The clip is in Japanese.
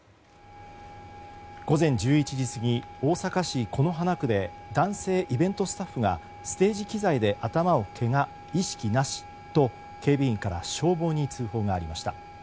午前１１時過ぎ、大阪市此花区で男性イベントスタッフがステージ機材で頭をけが意識なしと警備員から消防に通報がありました。